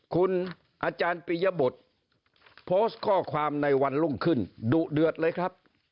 คุณอาจารย์ปียบุตรโพสต์ข้อความในวันรุ่งขึ้นดุเดือดเลยครับ